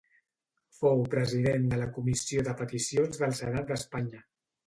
Fou president de la Comissió de Peticions del Senat d'Espanya.